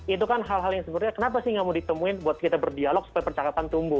itu kan hal hal yang sebenarnya kenapa sih nggak mau ditemuin buat kita berdialog supaya percakapan tumbuh